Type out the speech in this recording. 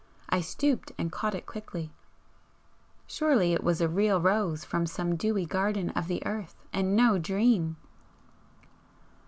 I stooped and caught it quickly surely it was a real rose from some dewy garden of the earth, and no dream!